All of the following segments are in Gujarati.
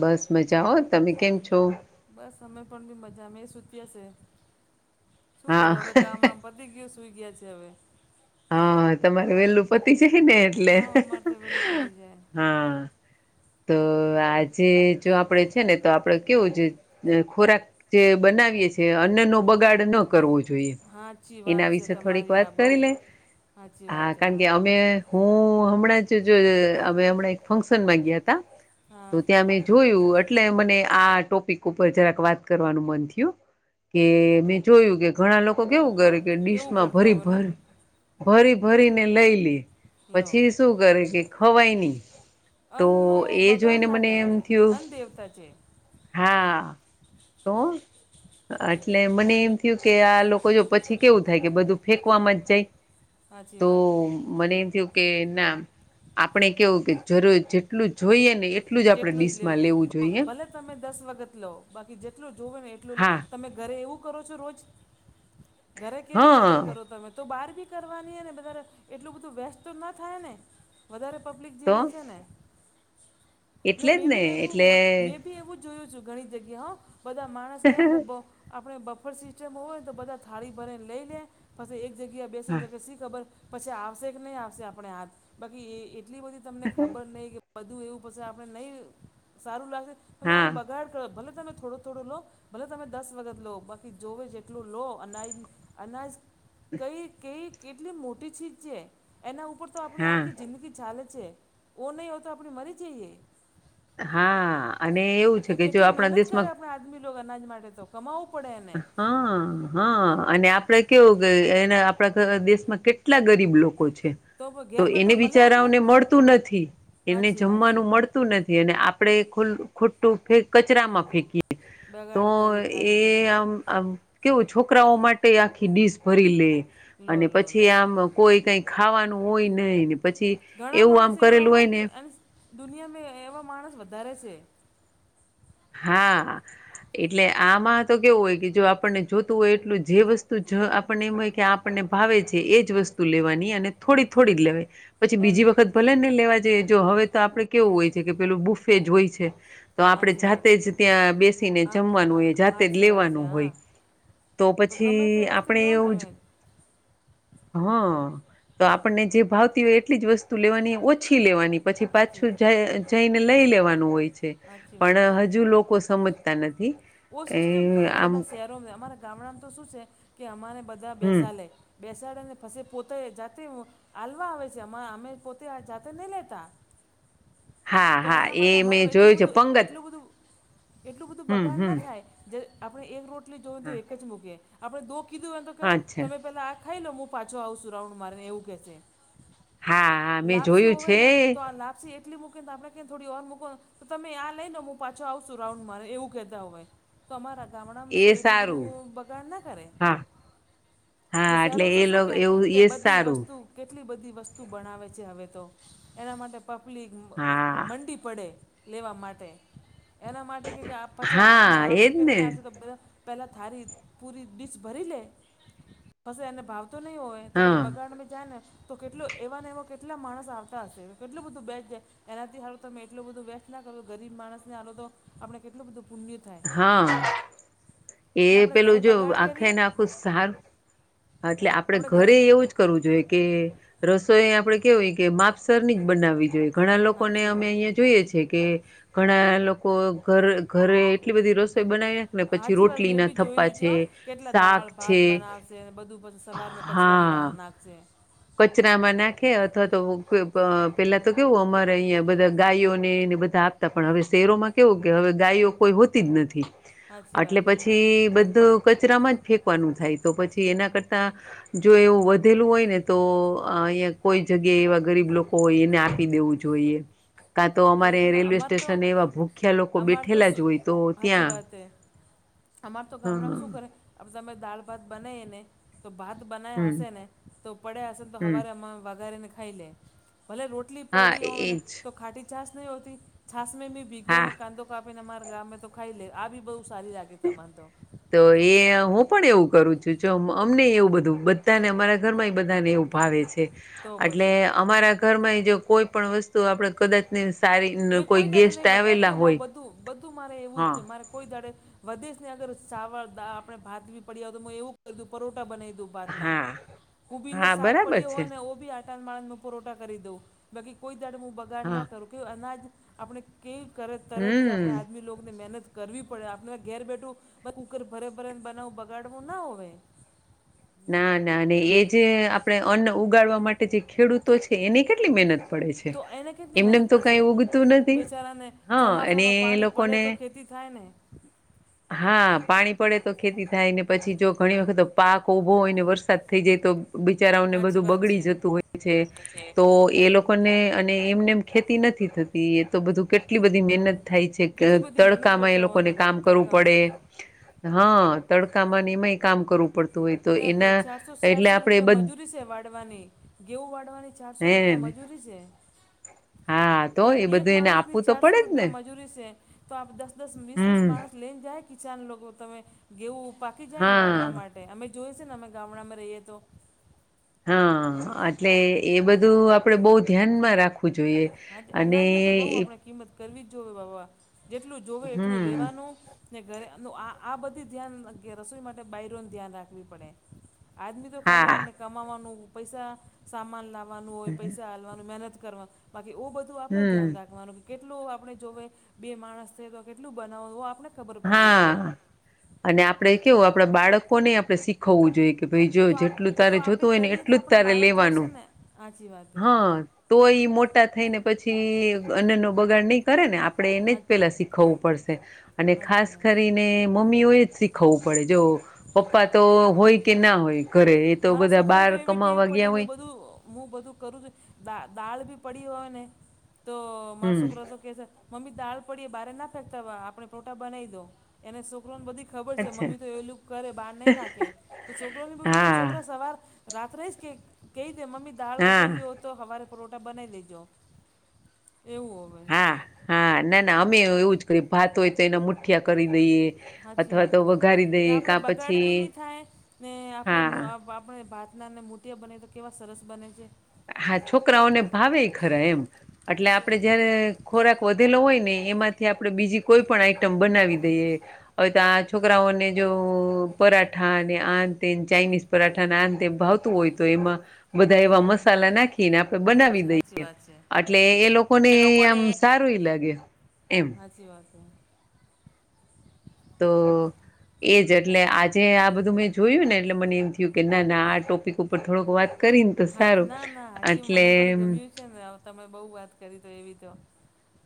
બસ મજાઓ. તમે કેમ છો? બસ, અમે પણ બી મજામાં, સૂતી હશે? શું કરો હા હવે, કામ? પતિ ગયો, સૂઈ ગયા છે હવે. હા, તમારે વેલું પતિ જાય ને? એટલે હા અમારે તો વહેલું પતી જાય હા. તો આજે, જો આપડે છે ને, તો આપડે કેવું છે ખોરાક જે બનાવીએ છે, અન્ન નો બગાડ ન કરવું જોઈએ, સાચી વાત એના છે વિશે થોડીક તમારી વાત આ કરી બહુ લે. સાચી વાત હા, છે કારણ આ કે અમે હું હમણાં જ, જો હવે હમણાં, એક ફંક્શન માં ગયા હતા, હા તો ત્યાં અમે જોયું, એટલે મને આ ટોપિક ઉપર જરાક વાત કરવાનું મન થયું. કે મેં જોયું કે ઘણા લોકો કેવું કરે, કે કેવું ડીશમાં કરતા ભરી હો ને ભર ભરી ભરીને લઈ લે, લો પછી શું કરે, કે ખવાય ની. તો અન્નનો એ બગાડ જોઈને ના મને એમ કરાય થયું. અન્ન દેવતા છે હા, તો એટલે મને. હું કે, આ લોકો જો પછી કેવું થાય, કે બધું ફેંકવામાં જ જાય, સાચી તો વાત છે મને એમ થયું કે, ના, આપણે કેવું કે જરૂર જેટલું જોઈએ ને, એ જેટલું જ લેબસ, ભલે તમે દસ વખત લો, બાકી જેટલું જોવો ને, એટલું હા તમે ઘરે એવું કરો છો, રોજ? ઘરે કેવી કદર હા કરો તમે? તો બહાર બી કરવાની એને, બધે એટલું બધું વેસ્ટ તો ન થાય ને? વધારે પબ્લિક તો જીમે છે ને. એટલે મેં જ ને ભી એટલે એવું, મેં ભી એવું જોયું છું ઘણી જગ્યા. હ, બધા માણસ કેમ આપણે બફર સિસ્ટમ હોય, તો બધા થાળી ભરીને લઈ લે, પછી એક જગ્યાએ બેસણ હા જગ્યા સી ખબર. પછી આવશે કે નહી આવશે આપણે હાથ બાકી એ એટલી બધી તમને ખબર નહી કે બધું એવું પછે. તને નહીં સારું લાગે તમે હા આમ બગાડ કરો ભલે તમે થોડો થોડો લો. ભલે તમે દસ વખત લો બાકી જોવે જેટલું લો અનાજ અનાજ કઈ કઈ કેટલી મોટી ચીજ છે એના ઉપર ઉપર તો આપણી હા આખી જિંદગી ચાલે છે. ઓ નહીં હોય, તો આપણે મરી જઈએ. હા, અને એવું છે કે, જો આપણા દેશમાં આજ બી લો, અનાજ માટે તો કમાવવું પડે એને. હા, હા, અને આપડે કેવું કે, એના આપણા દેશમાં કેટલા ગરીબ લોકો છે. પ- તો ઘેર બેઠો એને મળે આપણે બિચારાઓને મળતું નથી, એને સાચી વાત છે જમવાનું મળતું. નથી, અને આપણે ખૂટું કચરામાં ફેકીએ. તો બગાડ કરી એ. ખાલી ખોટી આમ કેવું છોકરાઓ માટે આખી ડીઝ ભરી લે લો અને લો લો પછી આમ કોઈ કંઈ ખાવાનું હોય નહીં ને પછી. ઘણા એવું આમ માણસ એવા કરેલું હોય ને જ અને દુનિયામાં એવા માણસ વધારે છે. હા. એટલે આમાં તો કેવું હોય કે જો આપણને જોતું હોય એટલું જે વસ્તુ જ આપણને એમ હોય કે આપને ભાવે છે એજ વસ્તુ લેવાની અને થોડી થોડી જ લેવાય. પછી એમ બીજી વખત ભલે નને લેવા જઈએ જો હવે તો આપડે કેવું હોય છે કે પેલું બુફેજ હોય છે. તો આપણે સાચી વાત જાતે છે જ ત્યાં બેસીને હા જમવાનું હા, હોય જાતે જ સાચી વાત છે લેવાનું હા હોય. તો ગમે તે પછી વસ્તુ આપણે લો ને એવું. તમે હા તો આપણને જે ભાવતી હોય એટલી જ વસ્તુ લેવાની ઓછી લેવાની. પછી સાચી પાછું જ જઈને લઈ લેવાનું હોય છે સાચી વાત પણ હજુ લોકો સમજ તા નથી. ઓ એ સિસ્ટમ ક્યા ને આમ બધા શહેરો અમારા ગામડામાં તો શું છે કે અમારે બધા હમ બેસા લે. બેસાડે ને પસે પોતે એ જાતે. હાલવા આવે છે અમ અમે પોતે જાતે નઈ લેતા. હા તો હા એના એ માટે અમારે મેં એટલું જોયું છે બધું પંગત એટલું બધું. એટલું બધું હમ બગાન હમ ના થાય જ આપણે એક રોટલી જો તો હા એક જ મૂકીએ આપણે દો કીધું એ તો કે અચ્છા તમે પેલા આ ખાઈ લો હું પાછો આવ છું રાઉન્ડ મારે ને એવું કે છે. હા હા મેં લાપસી જોયું હોવે છે ને તો આ લાપસી એટલી મૂકીને આપણે થોડી ઓર મુકો તમે આ લઈને હું પાછો આવશું રાઉન્ડ મારે એવું કેતા હોએ. તો અમારા ગામડામાં એ શું એટલું સારું બધું બગાડ ના કરે. હા હા એટલે શેરો એ શું શું લોકો કે એવું કે એ બધી સારું વસ્તુ. કેટલી બધી વસ્તુ બનાવે છે હવે તો એના માટે પપલી હા મંડી. પડે લેવા માટે એના માટે કે આપ. પછી હાથ ને હા એજ આવશે કે ને નહી આવશે તો બધા પહેલા થારી પૂરી ડીશ ભરી લે પશે એને ભાવતો નહીં હોય. તો હા પછી બગાડ મે જાય ને તો કેટલો એવાને એવા કેટલા માણસ આવતા હશે કેટલું બધું બેસ જાય. એનાથી હાલો તમે એટલું બધું વ્યર્થ ના કરો ગરીબ માણસ ને આલો તો આપણે કેટલું બધું પુણ્ય. થાય હા એ ને આપણે ઘરે પેલું જો બગાડ આખે કરીએ ને આખું સારું. હા એટલે આપડે ઘરે એવું જ. કરવું જોઈએ કે રસોઈ આપડે કેવી હોય કે માપસર ની જ બનાવી જોઈએ. ઘણા લોકોને સાચી અમે વાત અહીંયા જોઈએ છેએ કે ઘણા લોકો ઘર ઘરે કેટલી બધી રસોઈ બનાવીને. હાચી વાત મેં ભી જોઈ લજો કેટલા દાળ શાક ભાત છે બનાવ. તે બધું પાછું સવારમાં કચરામાં હા ડા નાખશે. કચરામાં નાખે અથવા તો પ પેલા તો કેવું અમારે અહંયા બધા ગાયોનેને બધા આપ. પણ હવે શેરોમાં કેવું કે હવે ગાયો કોઈ હોતી જ નથી. સાચી એટલે વાત છે પછી બધું. કચરામાં જ ફેંકવાનું થાય તો પછી એના કરતા જો એવું વધેલું હોય ને. તો અહીંયા કોઈ જગ્યા એવા ગરીબ લોકો હોય એને આપી દેવું જોઈએ. કાં તો અહીંયા અમારે ના- રેલવે અમારે તો સ્ટેશન એવા ભૂખ્યા લોકો અમારે તો બેઠેલા જ હોય તો ત્યાં. અમાર તો હા ગામડામાં શું કરે તમે દાળ ભાત બનાય ને તો ભાત બના્યા હમ હશે ને તો પડ્યા હશે તો હમ હવારે વગારેને ખાઈ લે ભલે રોટી લી હા પડી હોને એજ તો ખાટી છાસ નહી હોતી છાશ મે ભીગુંને હા કાંદો. આપીને મારા ગામમે તો ખાઈ લે આ બી બહુ સારી લાગે તમાન તો. તો એ હું પણ એવું કરું છું જો અમને એવું બધું ત્યાં અમારા ઘરમાં એ બધાને એવુ ભાવે છે તો એટલે. પછી અમારા ઘરમાં એ જો કોઈ પણણ વસ્તુ આપણે કદાચ નિ સારી મેં કોઈ દડે ગેસ્ટ નહીં આવેલા બગાડતી મા હોય બધું મારે એવું જ હા મારે કોઈ દાડે વધે ને અગર સાવર આપણે ભાતવી પડ્યાય તો એવું કું પરોટા બનાવી દઉ ના હા કુબીર નો હા શાક બરાબર પડ્યો છે હોય ને ઓ બી આ માળ ન પુરઠા કરી દઉં બાકી કોઈ દાડું બગાડ હા ના કરું કે અનાજ આપણે કઈ તરતથી હમ આપણા આદમીલોને મહેનત કરવી પડે આપણે ઘેર બેઠું કૂકર ભરે ભરેને બનાવું બગાડવું ના હોય ના ના એ જે આપડ અન્ન ઉગાડવા માટે જે ખેડૂતો છે એની કેટલી મહેનત પડે છે તો એને કેટલી એમનેમ મહેનત તો પડશે કઈ ઉગતું નથી બેચારાને હા અને ચોમાસાનું એ પાણી પડે લોકોને તો ખેતી થાય ને. હા પાણી પડે તો ખેતી થાય ને પછી જો ઘણી વખત પાક કો ઈભો હોય ને વરસાદ થઈ જાય તો બિચારાઓને સાચી બધું વાત બગડી જતું હોય છે તો એ લોકોને અને એમને એમ ખેતી નથી થતી એ તો બધું કેટલી બધી મહેનત થાય છે કે કેટલી બધી મહેનત તડકામાં એ કરતા હોય લોકોને બધા કામ કરવું પડે તડકામાં હા તડકા માનીમાંય કામ કરવું પડતું હોય તો ને પ એના ચારસો એટલે ચારસો આપડે રૂપિયા બધ મજૂરી છે વાળવાની ઘેઉ વાડવાની ચારસો રૂપિયા હેને મજૂરી છે. હા તો એ [inaudible] એક બધું એને માણસની આપવું તો ચારસો પડે જ ને રૂપિયા મજૂરી છે તો આપ દસ દસ વીસ વીસ હમ માણસ લઈને જાય કિસાન લોકો તમે ગેઉું પાકી જાય ને વાળવા હા માટે અમે જોઈ છે ને અમે ગામડામાં રહીએ તો હા એટલે એ બધું આપડે બહુ ધ્યાનમાં રાખવું ખું જોઈએ હા તે અને અનાજની તો બહુ એ આપણે કિંમત કરવી જ જોવે વાવા જેટલું જોવે એટલું હમ લેવાનું ને ઘરે આ આ બધી ધ્યાન કે રસોઈ માટે બાયરોનું ધ્યાન રાખવી પડે આદમી તો ખાલી હા આપણે કમાવાનું પૈસા સામાન લાવવાનું હોય પૈસા હાલવાનું મહેનત કરવાનું બાકી ઓવ બધું આપને હમ ધ્યાન રાખવાનું કેટલું આપણે જોવે બે માણસ છે તો કેટલું બનાવ આપણે ખબર પડવી જોવે હા અને આપડે કેવું આપડા બાળકોને આપણે શીખવવું જોઈએ કે ભાઈ જો તો આપ જેટલું ઓ તો તારે જોતું હોય ને એટલું જ તારે લેવાનું અચી વાત હે. હ તો એઈ મોટા થઈ ને પછી અન્ન નો બગાડ નહી કરે ને આપે આપણે એને જ હા પેલા શીખવવું પડશે અને સાચી ખાસ વાત કરીને મમ્મીઓ એ જ શીખવવું પડે જો પપ્પા તો હોય કે ના હોય ઘરે એ તો મારા બધા છોકરાએ બહાર તો એવી ટેવ કમાવા પડી ગયા મેં હોય બધું હું બધું કરું છું દા દાળ બી પડી હોય ને તો મારા હમ છોકરા સુ કહે છે. મમ્મી દાળ પડીે બારે ના ફેંકતા આપણે પ્રોટા બનાવી દો એને સુ છોકરો ને બધી ખબર છે અચ્છા મમ્મી તો એલું કરે બહાર નહી નાખે તો છોકરો બધી હા છોકરા સવાર રાત્ર રઈ કે કહી દ મમી દાળ હા વસેલી હોતી તો હવારે પરોઠા બનાવી લેજો એવું હવે હા હા ના ના અમે એવું જ કરીએ ભાત હોય તો એના મુઠિયા કરી દઈએ હાચી અથવા વાત તો હૈ. વઘારી ને દઈએ આપણે કા બગાડ પછી બી નહીં થાય ને આપણે હા આપણે મુ ભાતનાને મુ તીયા બને તો કેવા સરસ બને છે. હા છોકરાઓને ભાવે ખરા એમ એટલે આપડે જયારે ખોરાક વધેલો હોય ને એમાંથી આપણે બીજી કોઈ પણ આઈટમ બનાવી દઈએ હવે તો છોકરાઓને જો પરાઠા અને આંત ચાઇનીઝ પરાઠા ના અંત એ ભાવતું હોય તો એમાં બધા એવા મસાલા નાખીને તો બનાવી સાચી સાચી દઈએ વાત છે એટલે એ લોકો ને આમ સારું એ લાગે એમ હાચી વાત હૈ. તો એ જ એટલે આજે આ બધું મેં જોયું ને એટલે મને એમ થયું કે ના ના આ ટોપિક ઉપર થોડોક વાત કરીને તો હા સારું ના ના સાચી એટલે મને પણ ગમ્યું તમે બહુ વાત કરી તો એવી તો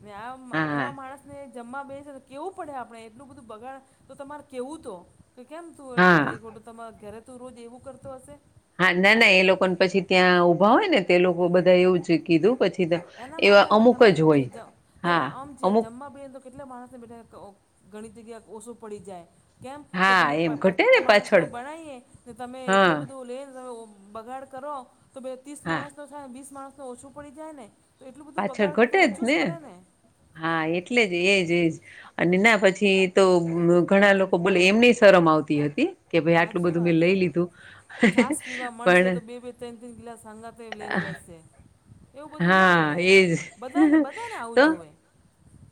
ને આ હા એવા માણસને જમવા બે છે કેવું પડે આપણે એટલું બધું બગાડ તો તમારે કેવું તો કે કેમ તું હા ખાલી ખોટું તમારે ઘરે તું રોજ એવું કરતો હશે હા ના ના એ લોકોને પછી ત્યાં ઊભા હોય ને તે લોકો બધા એવું જ કીધું પછી તો એના એવા માટે અમે અમુક ગમે જ જે હોય ને હા આમ જે અમુક જમવા બેીએ તો કેટલા માણસને બેઠા ગણિત જગ્યા ઓછું પડી જાય કેમ કે હા તમે પ એમ ઘટે ને પચા પાછળ માણસનો બણવીએ ને તમે એટલો હા બધું લઈને તમે બગાડ કરો તો બે ત્રીસ હા માણસ તો થાયને વીસ માણસ તો ઓછું પડી જાય ને તો એટલું બધું પાછળ બગાડ કરે તો ઘટે જ ઓછું ને પડે હા એટલે જ એજ એજ અને ના પછી તો ઘણા લોકો બોલે એમની શરમ આવતી હતી કે ભાઈ આટલું સાચી બધું મેં વાત લઈ હે લીધું પણ તન તીન કિલાસ સંગા તે લેન બેચશે એવું બધું ના હા કરાય એજ બધાને બધાને આવું તો જોવે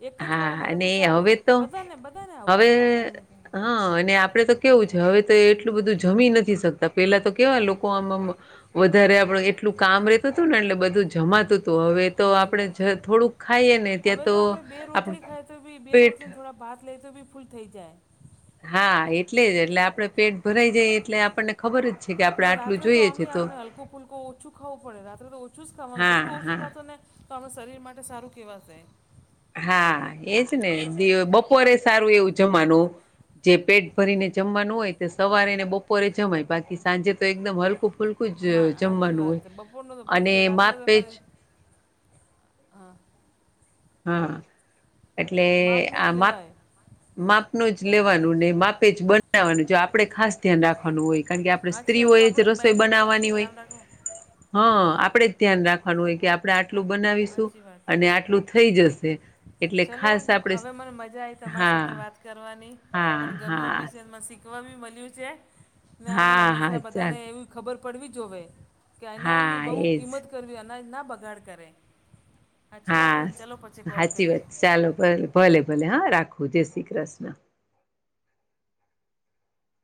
એક જ વાર હા મલે અને તું સારું હવે તો બધાને બધાને હવે આવજો ગમેમે હા અને આપડે તો કેવું છે હવે તો એટલું બધું જમી નથી તા પેલા તો કેવા લોકો આમાં વધારે આપડું એટલું કામ રેતું હતું ને એટલે બધું જમાતું તો હવે તો સાચી વાત હે આપણેે થોડુંક ખાઈએ ને ત્યાં હવે તો આપણે બે આપડ રોટલી ખાય તો બી બે પેટ રોટલીને થોડા ભાત લે તો બી ફૂલ થઈ જાય હા એટલે જ એટલે આપડે પેટ ભરાઈ જાય એટલે આપણને ખબર જ છે કે આપડે ને આટલું રાત્રે તો જોઈએ અમ છે આપણે હલકો ફૂલકો ઓછું ખાવું પડે રાત્રે તો ઓછું જ ખાવાનું હા જેટલુ ઓછું હા ખાતો ને તો આપણા શરીર માટે સારું કેવાશે હા એજ ને બપોરે સારું એવું જમાનું જે પેટ ભરીને જમવાનું હોય તે સવારેને બપોર જમાય બાકી સાંજે તો એકદમ હલકું હલકું જ હા સાચી જમવાનું વાત હોય છે બપોરનો તો પછી અને જાય રાત્રે તો માપે ખાલી હા હા એટલે માપનું જ આમાં લેવાય માપનું જ લેવાનું ને માપે જ બનાવવાનું જો આપડે ખાસ ધ્યાન રાખવાનું હોય કારણ કે આપણે સાચી સ્ત્રીઓ વાત એ તો જ આપણે રસોઈ બહારનું ખા- બનાવવાની હોય ધ્યાન રાખવું હા આપડે જ ધ્યાન રાખ હોય કે આપણે આટલું બનાવીશું સાચી વાત છે અને આટલું થઈ જશે એટલે ચલો ખાસ આપણે હવે મજા આ તમારી હા સાથે વાત કરવાની હા પણ ગમ્યું બી હા છે એમાં શીખવા બી મળ્યું છે ને અમે હા હંમેશા હા બધાને ચાલ એવું ખબર પડવી જોઈએ કે અનાજની હા બહુ એજ કિંમત કરવી અનાજ ના બગાડ કરે સાચી વાત હા છે ને ચલો પછી કોલ સાચી વાત કરીએ ચાલોલે ભલે ભલે હા રાખો જય શ્રી કૃષ્ણ